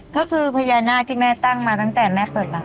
ก็คือพญานาคที่แม่ตั้งมาตั้งแต่แม่เปิดมา